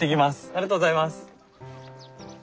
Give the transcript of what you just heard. ありがとうございます。